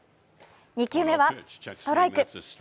２球目はストライク。